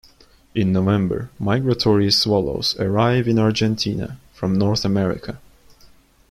In November migratory swallows arrive in Argentina from North America.